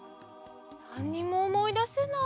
なんにもおもいだせない。